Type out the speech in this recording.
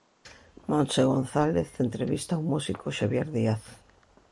Montse González entrevista o músico Xabier Díaz.